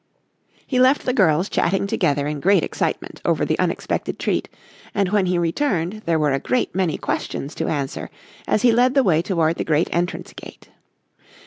He left the girls chatting together in great excitement over the unexpected treat, and when he returned there were a great many questions to answer as he led the way toward the great entrance gate.